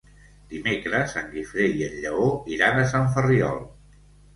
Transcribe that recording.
Dimecres en Guifré i en Lleó iran a Sant Ferriol.